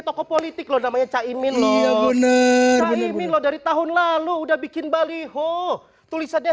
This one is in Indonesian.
toko politik logam ngecari milo bener bener dari tahun lalu udah bikin bal zuhir tuisannya